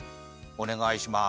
おねがいします。